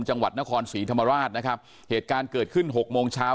จังหวัดนครศรีธรรมราชนะครับเหตุการณ์เกิดขึ้นหกโมงเช้า